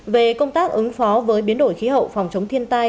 về công tác ứng phó với biến đổi khí hậu phòng chống thiên tai